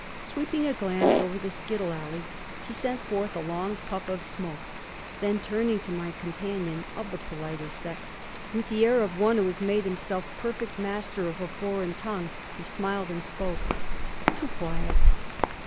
Sweeping a glance over the skittle alley, he sent forth a long puff of smoke; then, turning to my companion (of the politer sex) with the air of one who has made himself perfect master of a foreign tongue, he smiled, and spoke. "Too quiet!"